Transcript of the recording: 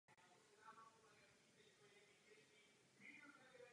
Město má také univerzitu a zoologickou zahradu.